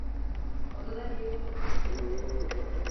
Odana geri dön.